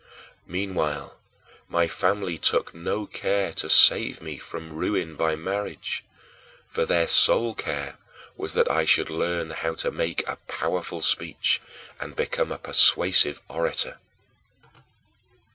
Meanwhile, my family took no care to save me from ruin by marriage, for their sole care was that I should learn how to make a powerful speech and become a persuasive orator.